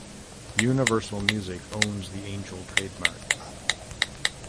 Universal Music owns the Angel trademark.